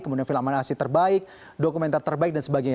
kemudian film manasi terbaik dokumenter terbaik dan sebagainya